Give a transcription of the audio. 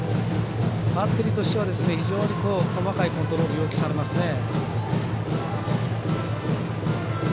バッテリーとしては非常に細かいコントロール要求されますね。